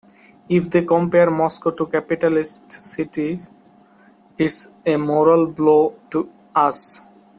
If they compare Moscow to capitalist cities, it's a moral blow to us.